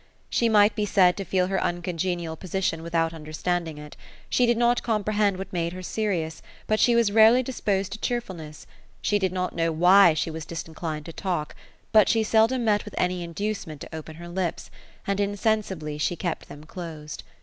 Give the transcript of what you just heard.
She might be said to feel her uncongenial position without understanding it ; she did not comprehend what made her serious, but she was rarely dis posed to cheerfulness ; she did not know why she was disinclined to talk, but she seldom met with any inducement to open her lips, and in sensibly she kept them closed.